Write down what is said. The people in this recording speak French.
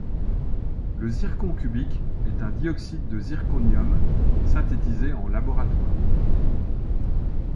Le zircon cubique est un dioxyde de zirconium synthétisé en laboratoire.